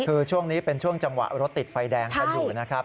คือช่วงนี้เป็นช่วงจังหวะรถติดไฟแดงกันอยู่นะครับ